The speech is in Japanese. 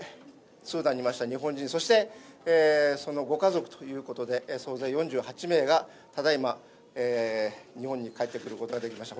スーダンにいました日本人、そしてそのご家族ということで、総勢４８名がただいま、日本に帰ってくることができました。